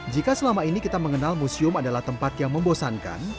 jika selama ini kita mengenal museum adalah tempat yang membosankan